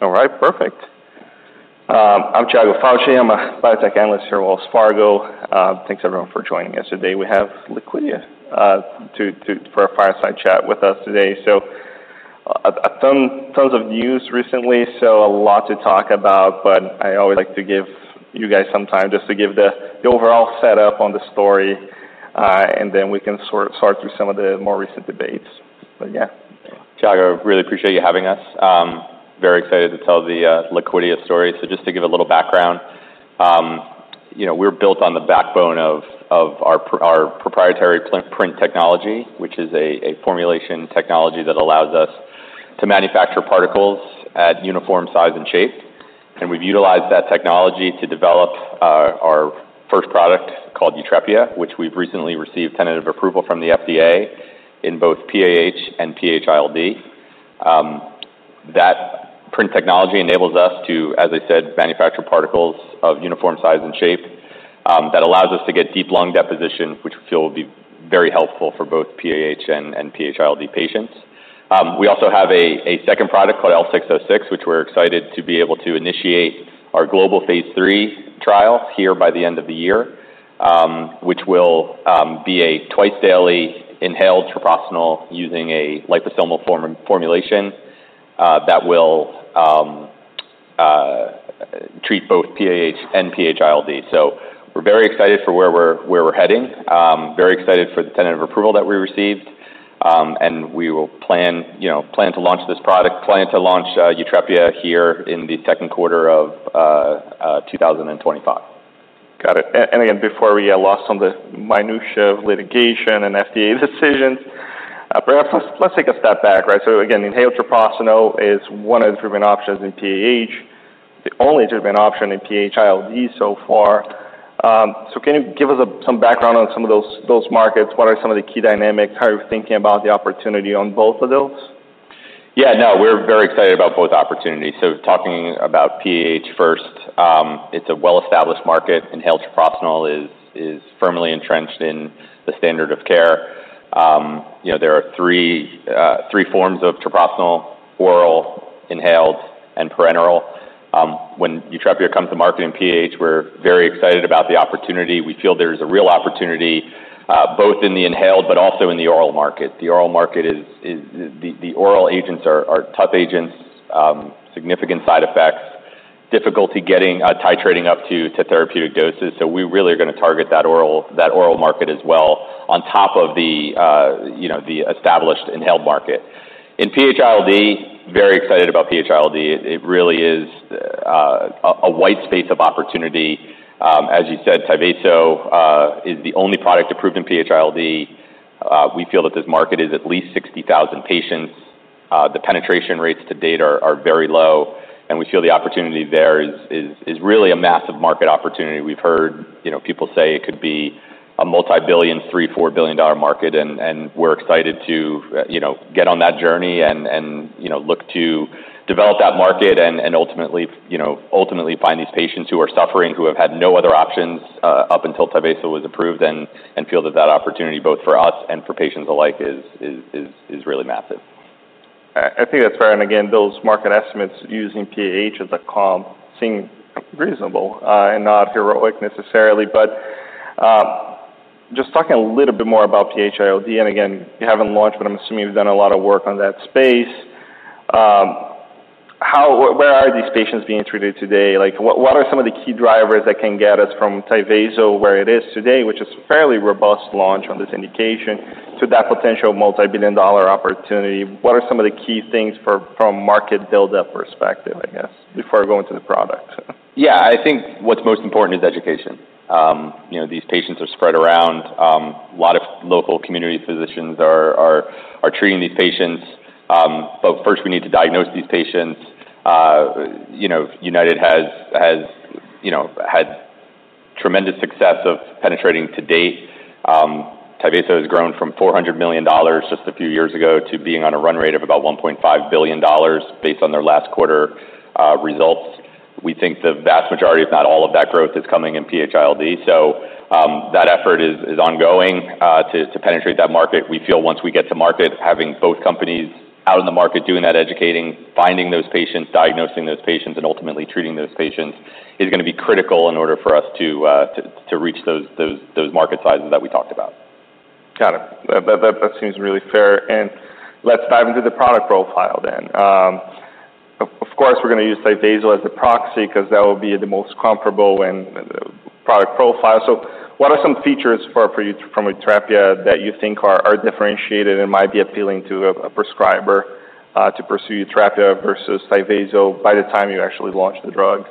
All right, perfect. I'm Thiago Fouche. I'm a biotech analyst here at Wells Fargo. Thanks, everyone, for joining us today. We have Liquidia for a fireside chat with us today. So, a ton of news recently, so a lot to talk about. But I always like to give you guys some time just to give the overall setup on the story, and then we can sort through some of the more recent debates. But yeah. Thiago, really appreciate you having us. Very excited to tell the Liquidia story. So just to give a little background, you know, we're built on the backbone of our proprietary PRINT technology, which is a formulation technology that allows us to manufacture particles at uniform size and shape. And we've utilized that technology to develop our first product called Yutrepia, which we've recently received tentative approval from the FDA in both PAH and PH-ILD. That PRINT technology enables us to, as I said, manufacture particles of uniform size and shape, that allows us to get deep lung deposition, which we feel will be very helpful for both PAH and PH-ILD patients. We also have a second product called L606, which we're excited to be able to initiate our global phase 3 trial here by the end of the year, which will be a twice-daily inhaled treprostinil using a liposomal formulation that will treat both PAH and PH-ILD. So we're very excited for where we're heading. Very excited for the tentative approval that we received. And we will plan, you know, to launch this product, to launch Yutrepia here in the second quarter of 2025. Got it. And again, before we lost on the minutiae of litigation and FDA decisions, perhaps let's take a step back, right? So again, inhaled treprostinil is one of the treatment options in PAH, the only treatment option in PH-ILD so far. So can you give us some background on some of those markets? What are some of the key dynamics? How are you thinking about the opportunity on both of those? Yeah, no, we're very excited about both opportunities, so talking about PAH first, it's a well-established market. Inhaled treprostinil is firmly entrenched in the standard of care. You know, there are three forms of treprostinil: oral, inhaled, and parenteral. When Yutrepia comes to market in PAH, we're very excited about the opportunity. We feel there's a real opportunity, both in the inhaled but also in the oral market. The oral agents are tough agents, significant side effects, difficulty getting titrating up to therapeutic doses, so we really are gonna target that oral market as well, on top of you know the established inhaled market. In PH-ILD, very excited about PH-ILD. It really is a wide space of opportunity. As you said, Tyvaso is the only product approved in PH-ILD. We feel that this market is at least 60,000 patients. The penetration rates to date are very low, and we feel the opportunity there is really a massive market opportunity. We've heard, you know, people say it could be a multi-billion, $3-4 billion market, and we're excited to, you know, get on that journey and, you know, look to develop that market and ultimately, you know, ultimately find these patients who are suffering, who have had no other options up until Tyvaso was approved, and feel that that opportunity, both for us and for patients alike, is really massive. I think that's fair. And again, those market estimates using PAH as a comp seem reasonable, and not heroic necessarily. But just talking a little bit more about PH-ILD, and again, you haven't launched, but I'm assuming you've done a lot of work on that space. Where are these patients being treated today? Like, what are some of the key drivers that can get us from Tyvaso, where it is today, which is a fairly robust launch on this indication, to that potential multi-billion dollar opportunity? What are some of the key things from a market build-up perspective, I guess, before going to the product? Yeah. I think what's most important is education. You know, these patients are spread around. A lot of local community physicians are treating these patients. But first, we need to diagnose these patients. You know, United has had tremendous success of penetrating to date. Tyvaso has grown from $400 million just a few years ago to being on a run rate of about $1.5 billion based on their last quarter results. We think the vast majority, if not all of that growth, is coming in PH-ILD, so that effort is ongoing to penetrate that market. We feel once we get to market, having both companies out in the market, doing that educating, finding those patients, diagnosing those patients, and ultimately treating those patients, is gonna be critical in order for us to reach those market sizes that we talked about. Got it. That seems really fair. Let's dive into the product profile then. Of course, we're going to use Tyvaso as a proxy because that will be the most comparable and product profile. What are some features for you from Yutrepia that you think are differentiated and might be appealing to a prescriber to pursue Yutrepia versus Tyvaso by the time you actually launch the drug?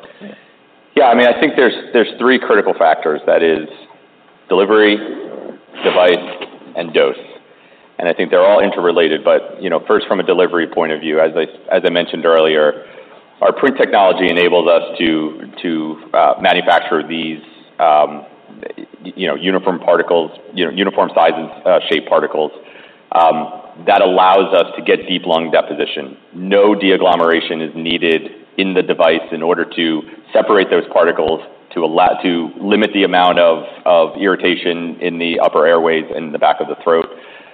Yeah, I mean, I think there's three critical factors. That is, delivery, device, and dose, and I think they're all interrelated, but, you know, first, from a delivery point of view, as I mentioned earlier, our PRINT technology enables us to manufacture these, you know, uniform particles, you know, uniform size and shape particles. That allows us to get deep lung deposition. No deagglomeration is needed in the device in order to separate those particles to limit the amount of irritation in the upper airways and the back of the throat.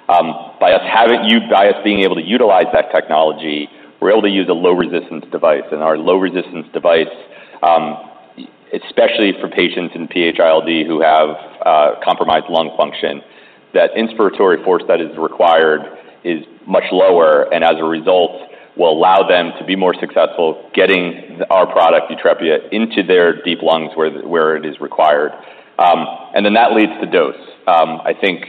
By us being able to utilize that technology, we're able to use a low resistance device. And our low resistance device, especially for patients in PH-ILD who have compromised lung function, that inspiratory force that is required is much lower, and as a result, will allow them to be more successful getting our product, Yutrepia, into their deep lungs, where it is required. And then that leads to dose. I think,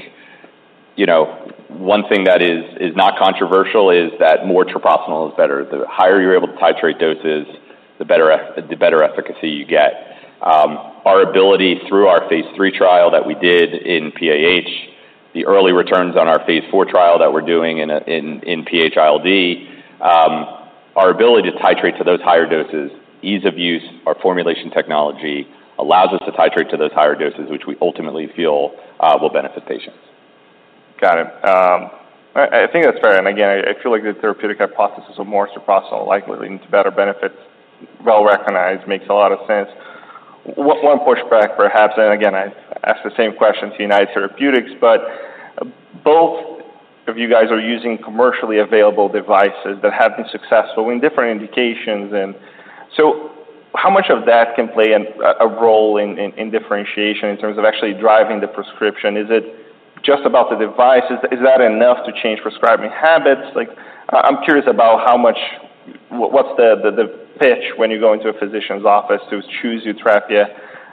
you know, one thing that is not controversial is that more treprostinil is better. The higher you're able to titrate doses, the better efficacy you get. Our ability through our phase three trial that we did in PAH, the early returns on our phase four trial that we're doing in PH-ILD, our ability to titrate to those higher doses, ease of use, our formulation technology allows us to titrate to those higher doses, which we ultimately feel will benefit patients. Got it. I think that's fair, and again, I feel like the therapeutic hypothesis of more treprostinil likely leads to better benefits, well recognized, makes a lot of sense. One pushback, perhaps, and again, I asked the same question to United Therapeutics, but both of you guys are using commercially available devices that have been successful in different indications, and so how much of that can play a role in differentiation in terms of actually driving the prescription? Is it just about the device? Is that enough to change prescribing habits? Like, I'm curious about how much... What's the pitch when you go into a physician's office to choose Yutrepia?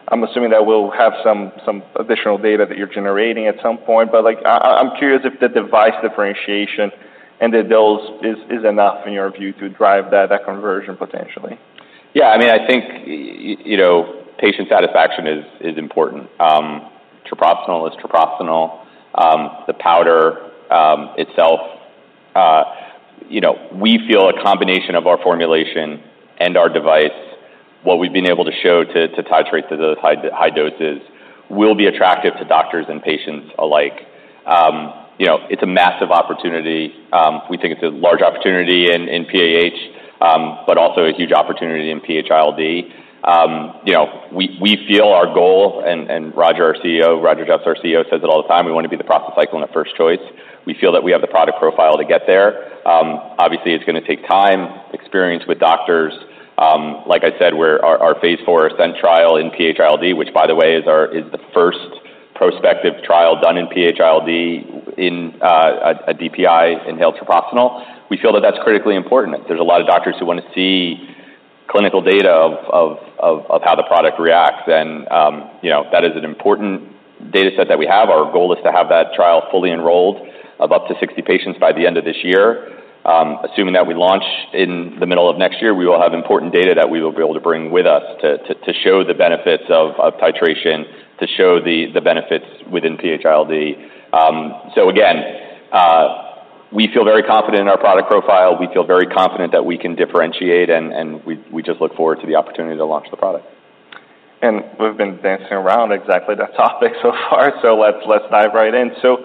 I'm assuming that we'll have some additional data that you're generating at some point, but like, I'm curious if the device differentiation and the dose is enough, in your view, to drive that conversion potentially? Yeah, I mean, I think, you know, patient satisfaction is important. Treprostinil is treprostinil. The powder itself, you know, we feel a combination of our formulation and our device, what we've been able to show to titrate to those high doses, will be attractive to doctors and patients alike. You know, it's a massive opportunity. We think it's a large opportunity in PAH, but also a huge opportunity in PH-ILD. You know, we feel our goal, and Roger, our CEO, Roger Jeffs, our CEO, says it all the time, "We want to be the prostacyclin and the first choice." We feel that we have the product profile to get there. Obviously, it's gonna take time, experience with doctors. Like I said, our phase four ASCENT trial in PH-ILD, which by the way, is the first prospective trial done in PH-ILD in a DPI inhaled treprostinil. We feel that that's critically important. There's a lot of doctors who want to see clinical data of how the product reacts, and, you know, that is an important data set that we have. Our goal is to have that trial fully enrolled up to 60 patients by the end of this year. Assuming that we launch in the middle of next year, we will have important data that we will be able to bring with us to show the benefits of titration, to show the benefits within PH-ILD. So again, we feel very confident in our product profile. We feel very confident that we can differentiate, and we just look forward to the opportunity to launch the product. And we've been dancing around exactly that topic so far, so let's dive right in. So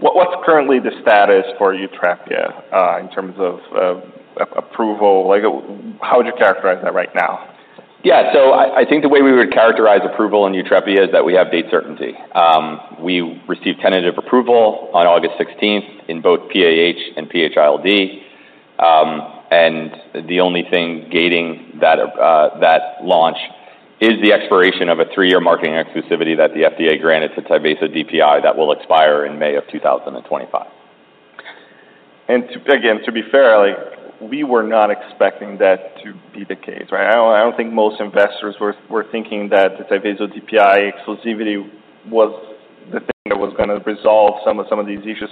what's currently the status for Yutrepia in terms of approval? Like, how would you characterize that right now? Yeah. So I think the way we would characterize approval in Yutrepia is that we have date certainty. We received tentative approval on August sixteenth in both PAH and PH-ILD, and the only thing gating that launch is the expiration of a three-year marketing exclusivity that the FDA granted to Tyvaso DPI that will expire in May of 2025. And, again, to be fair, like, we were not expecting that to be the case, right? I don't think most investors were thinking that the Tyvaso DPI exclusivity was the thing that was gonna resolve some of these issues.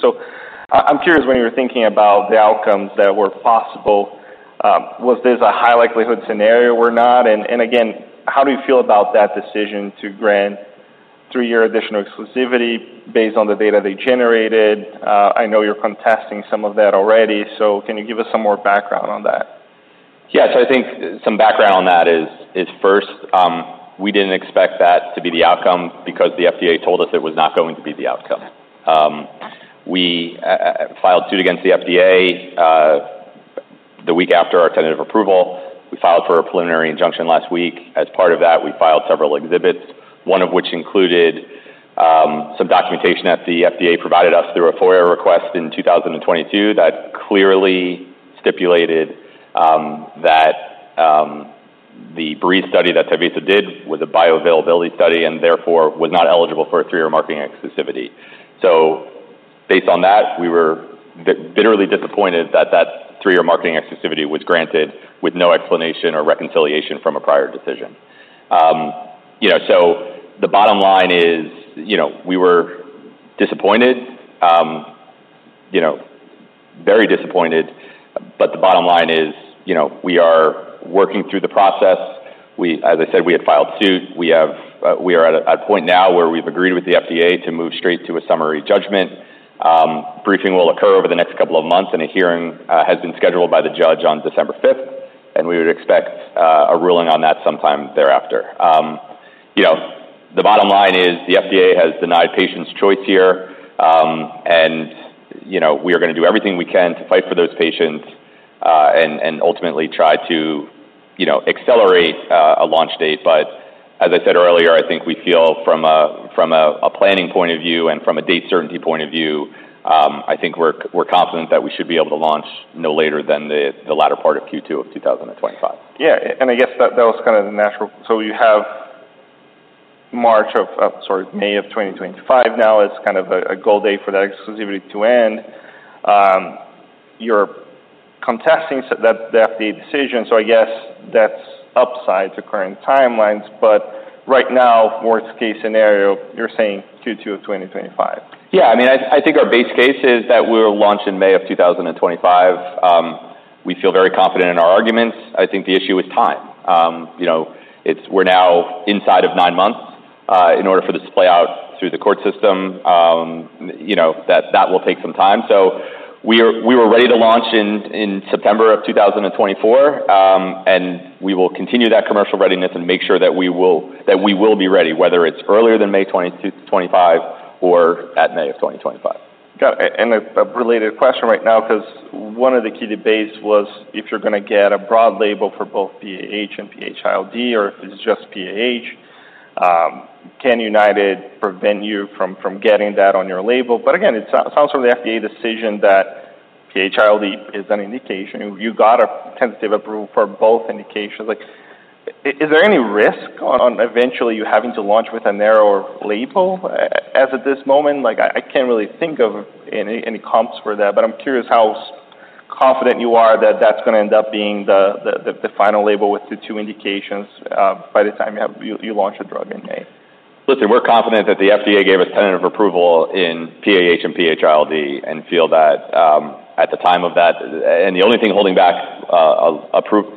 I'm curious, when you were thinking about the outcomes that were possible, was this a high likelihood scenario or not? And again, how do you feel about that decision to grant three-year additional exclusivity based on the data they generated? I know you're contesting some of that already, so can you give us some more background on that? Yeah, so I think some background on that is first, we didn't expect that to be the outcome because the FDA told us it was not going to be the outcome. We filed suit against the FDA the week after our tentative approval. We filed for a preliminary injunction last week. As part of that, we filed several exhibits, one of which included some documentation that the FDA provided us through a FOIA request in 2022, that clearly stipulated that the bridging study that Tyvaso did was a bioavailability study, and therefore was not eligible for a three-year marketing exclusivity. So based on that, we were bitterly disappointed that that three-year marketing exclusivity was granted with no explanation or reconciliation from a prior decision. You know, so the bottom line is, you know, we were disappointed. You know, very disappointed, but the bottom line is, you know, we are working through the process. As I said, we had filed suit. We have, we are at a point now where we've agreed with the FDA to move straight to a summary judgment. Briefing will occur over the next couple of months, and a hearing has been scheduled by the judge on December fifth, and we would expect a ruling on that sometime thereafter. You know, the bottom line is, the FDA has denied patients choice here, and, you know, we are gonna do everything we can to fight for those patients, and ultimately try to, you know, accelerate a launch date. But as I said earlier, I think we feel from a planning point of view and from a date certainty point of view, I think we're confident that we should be able to launch no later than the latter part of Q2 of 2025. Yeah, and I guess that was kind of the natural... So you have March of, sorry, May of twenty twenty-five now as kind of a goal date for that exclusivity to end. You're contesting so that the FDA decision, so I guess that's upside to current timelines. But right now, worst-case scenario, you're saying Q2 of twenty twenty-five. Yeah. I mean, I think our base case is that we'll launch in May of two thousand and twenty-five. We feel very confident in our arguments. I think the issue is time. You know, we're now inside of nine months in order for this to play out through the court system. You know, that will take some time. So we were ready to launch in September of two thousand and twenty-four, and we will continue that commercial readiness and make sure that we will be ready, whether it's earlier than May twenty twenty-five or at May of twenty twenty-five. Got it. And a related question right now, 'cause one of the key debates was if you're gonna get a broad label for both PAH and PH-ILD or if it's just PAH, can United prevent you from getting that on your label? But again, it sounds from the FDA decision that PH-ILD is an indication. You got a tentative approval for both indications. Like, is there any risk on eventually you having to launch with a narrower label as of this moment? Like, I can't really think of any comps for that, but I'm curious how confident you are that that's gonna end up being the final label with the two indications, by the time you launch a drug in May. Listen, we're confident that the FDA gave us tentative approval in PAH and PH-ILD, and feel that the only thing holding back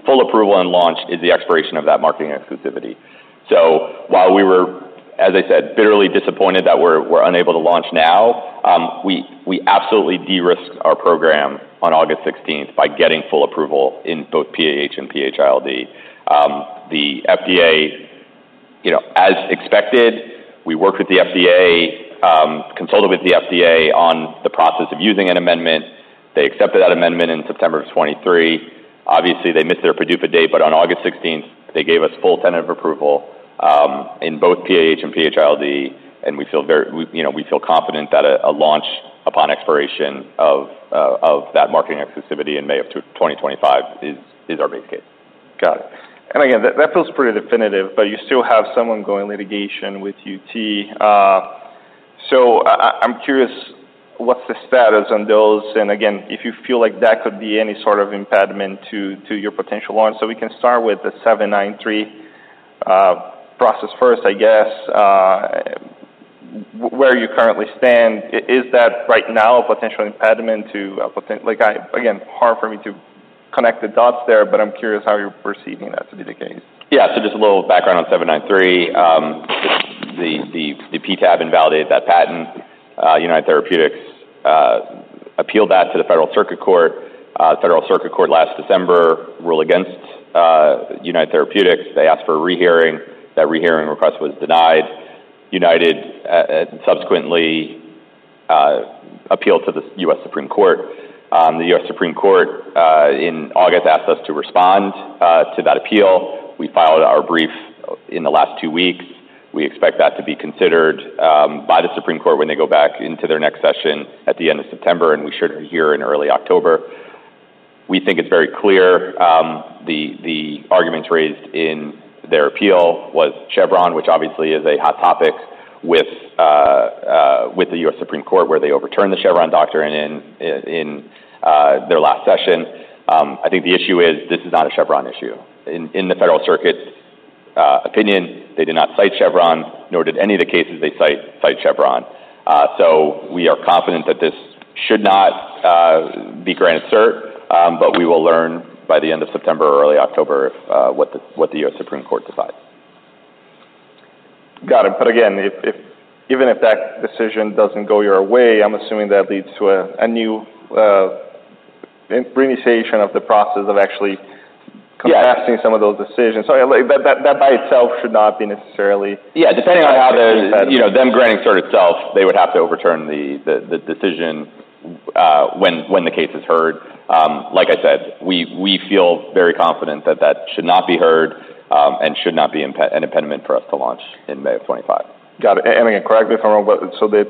full approval and launch is the expiration of that marketing exclusivity. So while we were, as I said, bitterly disappointed that we're unable to launch now, we absolutely de-risked our program on August sixteenth by getting full approval in both PAH and PH-ILD. The FDA, you know, as expected, we worked with the FDA, consulted with the FDA on the process of using an amendment. They accepted that amendment in September of twenty twenty-three. Obviously, they missed their PDUFA date, but on August sixteenth, they gave us full tentative approval in both PAH and PHILD, and we feel very, you know, confident that a launch upon expiration of that marketing exclusivity in May of 2025 is our base case. Got it. And again, that, that feels pretty definitive, but you still have some ongoing litigation with UT. So I'm curious, what's the status on those? And again, if you feel like that could be any sort of impediment to your potential launch. So we can start with the seven nine three process first, I guess. Where you currently stand, is that right now a potential impediment to a potent... Like, again, hard for me to connect the dots there, but I'm curious how you're perceiving that to be the case. Yeah. So just a little background on '793. The PTAB invalidated that patent. United Therapeutics appealed that to the Federal Circuit Court. Federal Circuit Court last December ruled against United Therapeutics. They asked for a rehearing. That rehearing request was denied. United subsequently appealed to the U.S. Supreme Court. The U.S. Supreme Court in August asked us to respond to that appeal. We filed our brief in the last two weeks. We expect that to be considered by the Supreme Court when they go back into their next session at the end of September, and we should hear in early October. We think it's very clear, the arguments raised in their appeal was Chevron, which obviously is a hot topic with the U.S. Supreme Court, where they overturned the Chevron doctrine in their last session. I think the issue is this is not a Chevron issue. In the Federal Circuit opinion, they did not cite Chevron, nor did any of the cases they cite cite Chevron. So we are confident that this should not be granted cert, but we will learn by the end of September or early October if what the U.S. Supreme Court decides. Got it. But again, if even if that decision doesn't go your way, I'm assuming that leads to a new initialization of the process of actually- Yeah contrasting some of those decisions. So that by itself should not be necessarily. Yeah, depending on how the- You know. You know, them granting cert itself, they would have to overturn the decision when the case is heard. Like I said, we feel very confident that that should not be heard and should not be an impediment for us to launch in May of 2025. Got it. And again, correct me if I'm wrong, but so the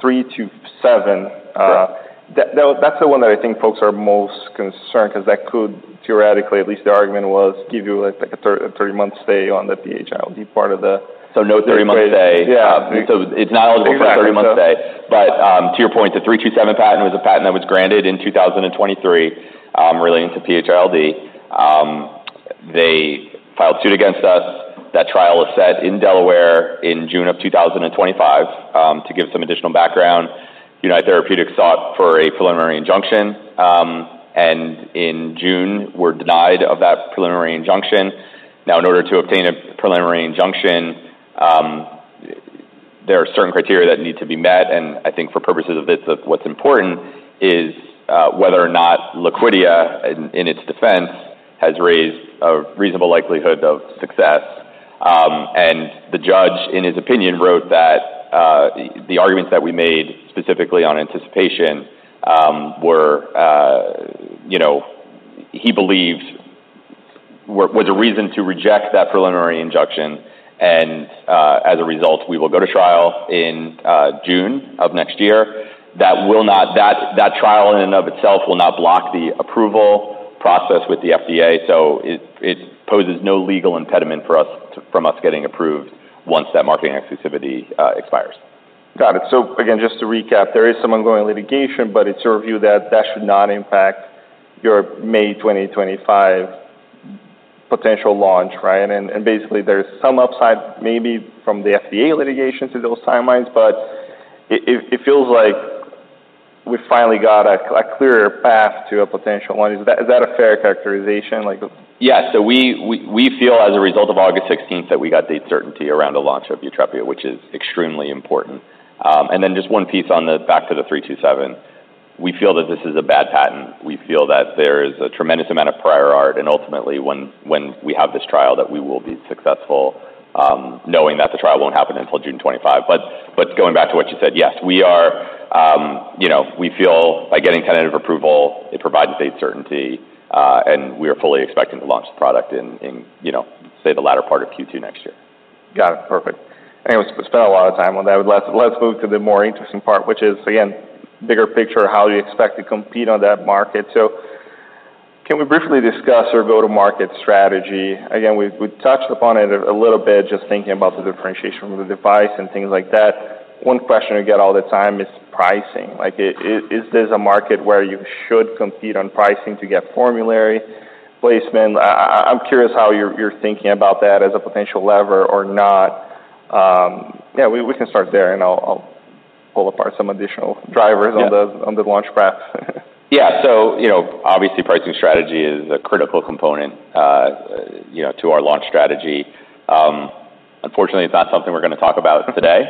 three two seven. Yeah... That, that's the one that I think folks are most concerned, 'cause that could theoretically, at least the argument was, give you, like, a thirty-month stay on the PH-ILD part of the- No thirty-month stay. Yeah. So it's not eligible for a thirty-month stay. Exactly. So- But, to your point, the '327 patent was a patent that was granted in 2023, relating to PH-ILD. They filed suit against us. That trial is set in Delaware in June of 2025. To give some additional background, United Therapeutics sought for a preliminary injunction, and in June, were denied of that preliminary injunction. Now, in order to obtain a preliminary injunction, there are certain criteria that need to be met, and I think for purposes of this, what's important is, whether or not Liquidia, in its defense, has raised a reasonable likelihood of success-... And the judge, in his opinion, wrote that the arguments that we made, specifically on anticipation, were, you know, he believed were a reason to reject that preliminary injunction, and as a result, we will go to trial in June of next year. That trial in and of itself will not block the approval process with the FDA, so it poses no legal impediment for us from getting approved once that marketing exclusivity expires. Got it. So again, just to recap, there is some ongoing litigation, but it's your view that that should not impact your May 2025 potential launch, right? And basically, there's some upside, maybe from the FDA litigation to those timelines, but it feels like we finally got a clearer path to a potential launch. Is that a fair characterization, like- Yeah. So we feel as a result of August sixteenth, that we got the certainty around the launch of Yutrepia, which is extremely important. And then just one piece on the back to the three two seven, we feel that this is a bad patent. We feel that there is a tremendous amount of prior art, and ultimately, when we have this trial, that we will be successful, knowing that the trial won't happen until June twenty-five. But going back to what you said, yes, we are, you know, we feel by getting tentative approval, it provides date certainty, and we are fully expecting to launch the product in, you know, say, the latter part of Q2 next year. Got it. Perfect. Anyways, we spent a lot of time on that. Let's move to the more interesting part, which is, again, bigger picture, how you expect to compete on that market. So can we briefly discuss our go-to-market strategy? Again, we touched upon it a little bit, just thinking about the differentiation of the device and things like that. One question I get all the time is pricing. Like, is this a market where you should compete on pricing to get formulary placement? I'm curious how you're thinking about that as a potential lever or not. Yeah, we can start there, and I'll pull apart some additional drivers- Yeah. - on the launch path. Yeah, so, you know, obviously, pricing strategy is a critical component, you know, to our launch strategy. Unfortunately, it's not something we're gonna talk about today.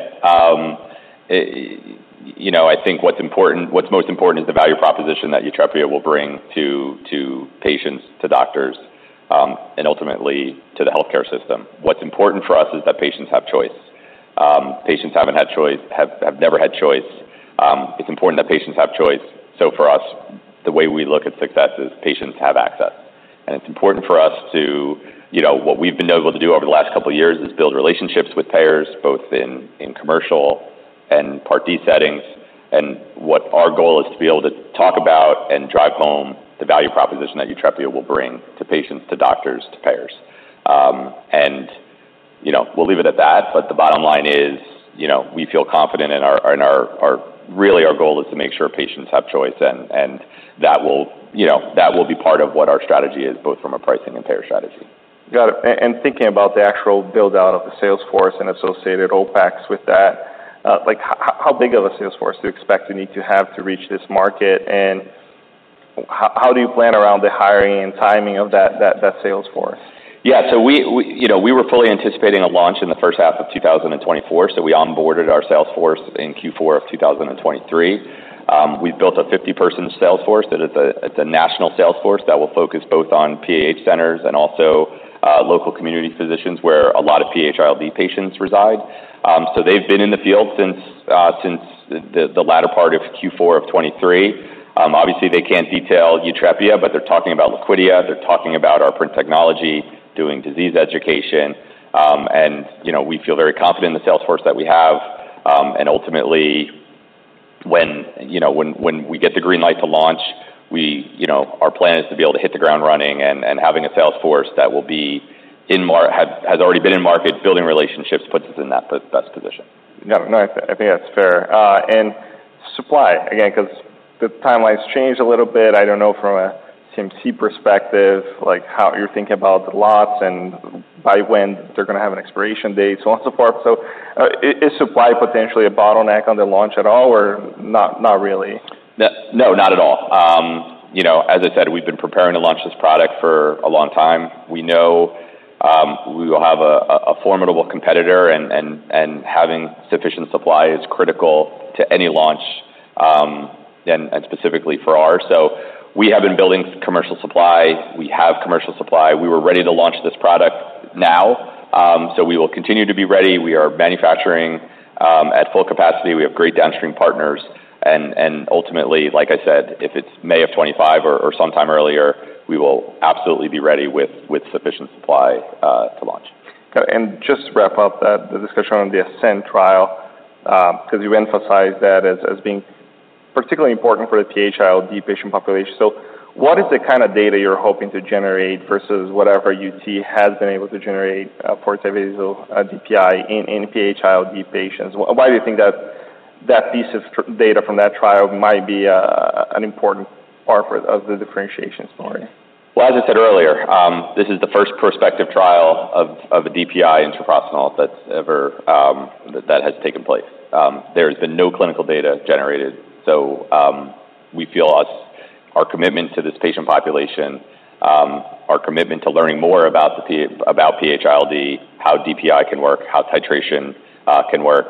It, you know, I think what's important, what's most important is the value proposition that Yutrepia will bring to, to patients, to doctors, and ultimately, to the healthcare system. What's important for us is that patients have choice. Patients haven't had choice, have never had choice. It's important that patients have choice. So for us, the way we look at success is patients have access. And it's important for us to, you know, what we've been able to do over the last couple of years, is build relationships with payers, both in commercial and Part D settings. And what our goal is to be able to talk about and drive home the value proposition that Yutrepia will bring to patients, to doctors, to payers. And, you know, we'll leave it at that, but the bottom line is, you know, we feel confident in our. Really, our goal is to make sure patients have choice, and that will, you know, that will be part of what our strategy is, both from a pricing and payer strategy. Got it. And thinking about the actual build-out of the sales force and associated OpEx with that, like, how big of a sales force do you expect to need to have to reach this market? And how do you plan around the hiring and timing of that sales force? Yeah, so you know, we were fully anticipating a launch in the first half of 2024, so we onboarded our sales force in Q4 of 2023. We've built a 50-person sales force that is a, it's a national sales force that will focus both on PAH centers and also local community physicians where a lot of PH-ILD patients reside. So they've been in the field since the latter part of Q4 of 2023. Obviously, they can't detail Yutrepia, but they're talking about Liquidia, they're talking about our print technology, doing disease education. And, you know, we feel very confident in the sales force that we have. And ultimately, when you know, when we get the green light to launch, you know, our plan is to be able to hit the ground running and having a sales force that has already been in market, building relationships, puts us in that best position. No, no, I think that's fair, and supply, again, because the timelines changed a little bit. I don't know, from a CMC perspective, like, how you're thinking about the lots and by when they're gonna have an expiration date, so on and so forth. So, is supply potentially a bottleneck on the launch at all, or not, not really? No, not at all. You know, as I said, we've been preparing to launch this product for a long time. We know we will have a formidable competitor, and having sufficient supply is critical to any launch, and specifically for ours, so we have been building commercial supply. We have commercial supply. We were ready to launch this product now, so we will continue to be ready. We are manufacturing at full capacity. We have great downstream partners, and ultimately, like I said, if it's May of 2025 or sometime earlier, we will absolutely be ready with sufficient supply to launch. Okay, and just to wrap up the discussion on the ASCENT trial, because you've emphasized that as being particularly important for the PH-ILD patient population. So what is the kind of data you're hoping to generate versus whatever UT has been able to generate for Tyvaso DPI in PH-ILD patients? Why do you think that piece of trial data from that trial might be an important part of the differentiation story? As I said earlier, this is the first prospective trial of a DPI intrapulmonary that's ever that has taken place. There's been no clinical data generated, so we feel our commitment to this patient population, our commitment to learning more about PH-ILD, how DPI can work, how titration can work,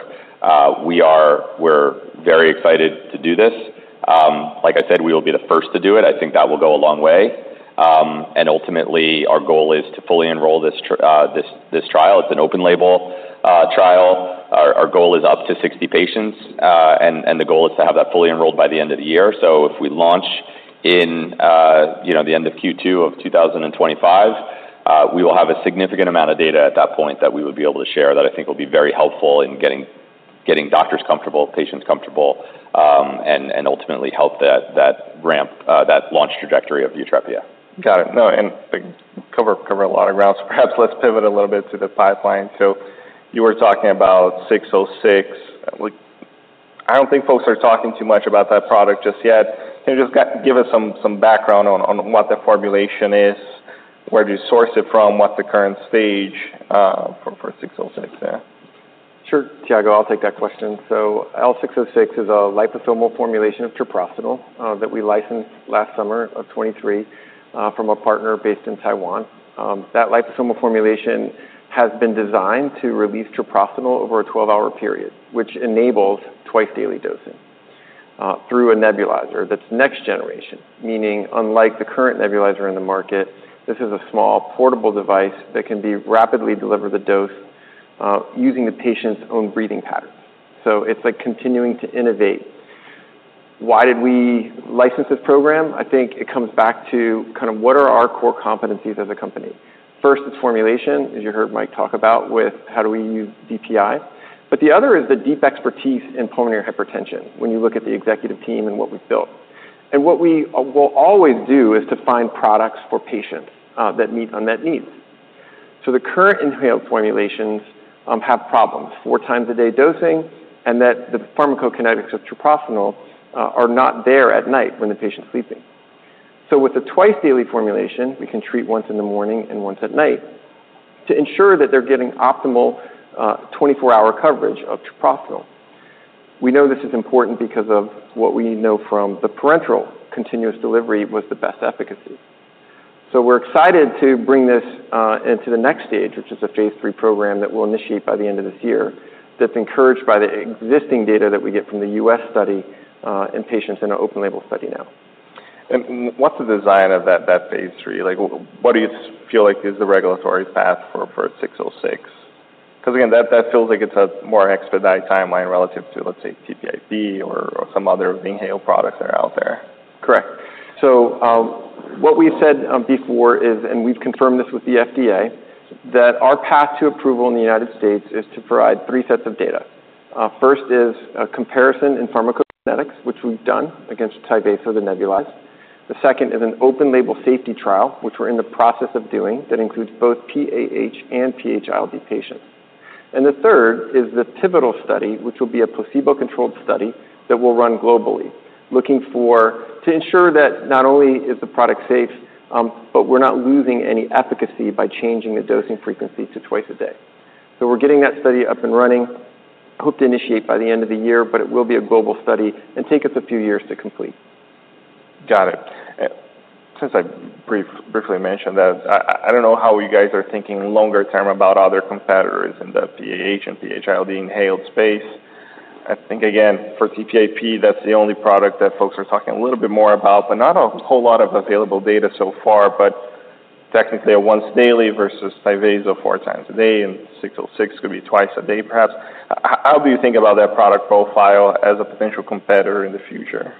we're very excited to do this. Like I said, we will be the first to do it. I think that will go a long way. And ultimately, our goal is to fully enroll this trial. It's an open label trial. Our goal is up to 60 patients, and the goal is to have that fully enrolled by the end of the year. So if we launch in, you know, the end of Q2 of two thousand and twenty-five, we will have a significant amount of data at that point that we would be able to share, that I think will be very helpful in getting doctors comfortable, patients comfortable, and ultimately help that ramp, that launch trajectory of Yutrepia. Got it. No, and cover a lot of ground. Perhaps let's pivot a little bit to the pipeline. So you were talking about L606. I don't think folks are talking too much about that product just yet. Can you just give us some background on what the formulation is, where do you source it from? What's the current stage for L606 there? Sure, Thiago, I'll take that question. So L606 is a liposomal formulation of treprostinil, that we licensed last summer of 2023, from a partner based in Taiwan. That liposomal formulation has been designed to release treprostinil over a twelve-hour period, which enables twice-daily dosing, through a nebulizer that's next generation. Meaning, unlike the current nebulizer in the market, this is a small portable device that can be rapidly deliver the dose, using the patient's own breathing patterns. So it's like continuing to innovate. Why did we license this program? I think it comes back to kind of what are our core competencies as a company. First, it's formulation, as you heard Mike talk about with how do we use DPI. But the other is the deep expertise in pulmonary hypertension, when you look at the executive team and what we've built. And what we will always do is to find products for patients that meet unmet needs. So the current inhaled formulations have problems: four times a day dosing, and that the pharmacokinetics of treprostinil are not there at night when the patient's sleeping. So with the twice daily formulation, we can treat once in the morning and once at night to ensure that they're getting optimal twenty-four-hour coverage of treprostinil. We know this is important because of what we know from the parenteral continuous delivery with the best efficacy. So we're excited to bring this into the next stage, which is a phase three program that we'll initiate by the end of this year, that's encouraged by the existing data that we get from the U.S. study in patients in an open-label study now. And what's the design of that, that phase three? Like, what do you feel like is the regulatory path for, for L606? Because, again, that, that feels like it's a more expedited timeline relative to, let's say, TPIP or, or some other inhaled products that are out there. Correct. So, what we've said before is, and we've confirmed this with the FDA, that our path to approval in the United States is to provide three sets of data. First is a comparison in pharmacokinetics, which we've done against Tyvaso, the nebulized. The second is an open-label safety trial, which we're in the process of doing. That includes both PAH and PH-ILD patients. And the third is the pivotal study, which will be a placebo-controlled study that will run globally, looking to ensure that not only is the product safe, but we're not losing any efficacy by changing the dosing frequency to twice a day. So we're getting that study up and running. Hope to initiate by the end of the year, but it will be a global study and take us a few years to complete. Got it. Since I briefly mentioned that, I don't know how you guys are thinking longer term about other competitors in the PAH and PH-ILD inhaled space. I think, again, for TPIP, that's the only product that folks are talking a little bit more about, but not a whole lot of available data so far, but technically a once daily versus Tyvaso four times a day, and L606 could be twice a day, perhaps. How do you think about that product profile as a potential competitor in the future?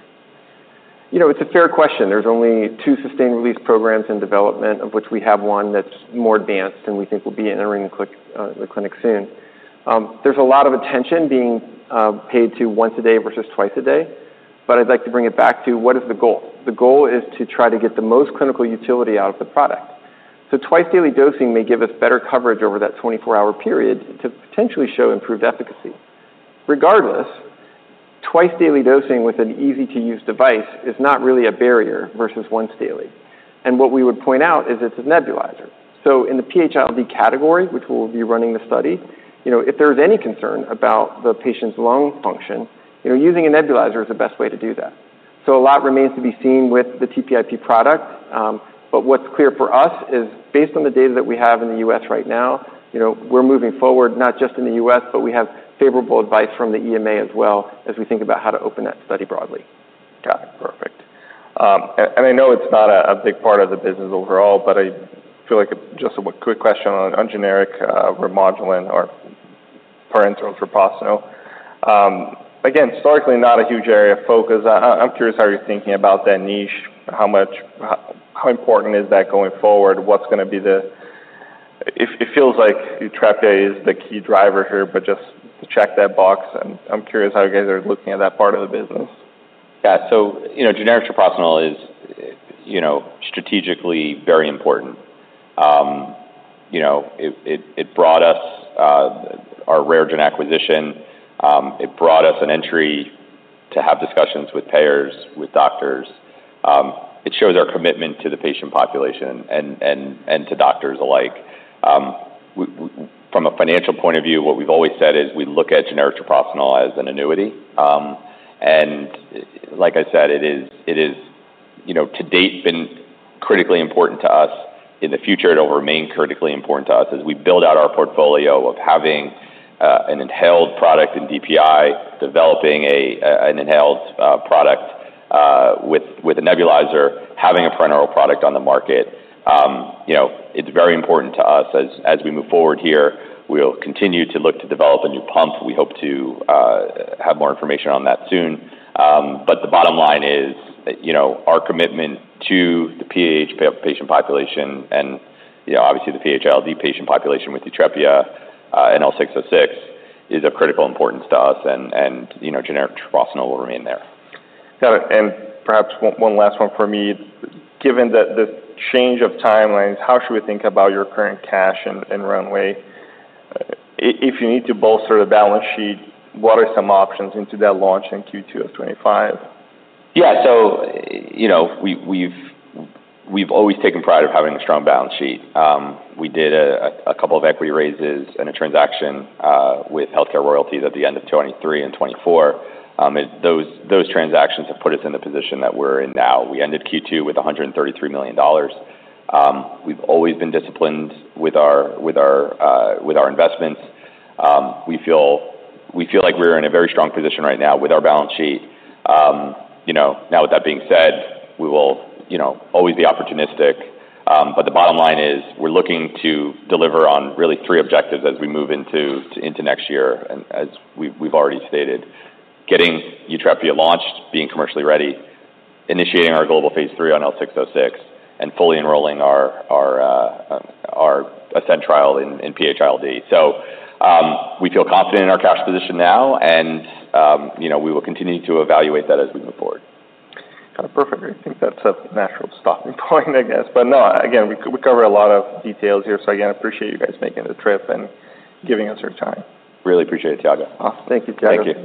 You know, it's a fair question. There's only two sustained release programs in development, of which we have one that's more advanced and we think will be entering the clinic soon. There's a lot of attention being paid to once a day versus twice a day. But I'd like to bring it back to: what is the goal? The goal is to try to get the most clinical utility out of the product. So twice-daily dosing may give us better coverage over that twenty-four-hour period to potentially show improved efficacy. Regardless, twice-daily dosing with an easy-to-use device is not really a barrier versus once daily, and what we would point out is it's a nebulizer. In the PH-ILD category, which we'll be running the study, you know, if there is any concern about the patient's lung function, you know, using a nebulizer is the best way to do that. A lot remains to be seen with the TPIP product, but what's clear for us is based on the data that we have in the U.S. right now, you know, we're moving forward, not just in the U.S., but we have favorable advice from the EMA as well, as we think about how to open that study broadly. Got it. Perfect. I know it's not a big part of the business overall, but I feel like just a quick question on generic Remodulin or parenteral treprostinil. Again, historically, not a huge area of focus. I'm curious how you're thinking about that niche. How important is that going forward? What's gonna be the... It feels like Yutrepia is the key driver here, but just to check that box, I'm curious how you guys are looking at that part of the business. Yeah. So, you know, generic treprostinil is, you know, strategically very important. You know, it brought us our RareGen acquisition. It brought us an entry to have discussions with payers, with doctors. It shows our commitment to the patient population and to doctors alike. From a financial point of view, what we've always said is we look at generic treprostinil as an annuity. And like I said, you know, to date, been critically important to us. In the future, it'll remain critically important to us as we build out our portfolio of having an inhaled product in DPI, developing an inhaled product with a nebulizer, having a parenteral product on the market. You know, it's very important to us as we move forward here, we'll continue to look to develop a new pump. We hope to have more information on that soon. But the bottom line is that, you know, our commitment to the PAH patient population and, you know, obviously, the PH-ILD patient population with Yutrepia, and L606, is of critical importance to us, and you know, generic treprostinil will remain there. Got it. And perhaps one last one for me. Given the change of timelines, how should we think about your current cash and runway? If you need to bolster a balance sheet, what are some options into that launch in Q2 of 2025? Yeah. So, you know, we've always taken pride of having a strong balance sheet. We did a couple of equity raises and a transaction with HealthCare Royalty at the end of 2023 and 2024. Those transactions have put us in the position that we're in now. We ended Q2 with $133 million. We've always been disciplined with our investments. We feel like we're in a very strong position right now with our balance sheet. You know, now with that being said, we will always be opportunistic. But the bottom line is, we're looking to deliver on really three objectives as we move into next year. As we've already stated, getting Yutrepia launched, being commercially ready, initiating our global phase 3 on L606, and fully enrolling our ASCENT trial in PH-ILD. We feel confident in our cash position now, and you know, we will continue to evaluate that as we move forward. Kind of perfect. I think that's a natural stopping point, I guess. But no, again, we covered a lot of details here. So again, I appreciate you guys making the trip and giving us your time. Really appreciate it, Thiago. Awesome. Thank you, Thiago. Thank you.